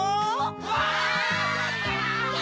わい！